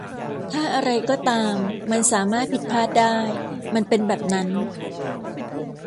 ถ้าอะไรก็ตามมันสามารถผิดพลาดได้ มันเป็นแบบนั้น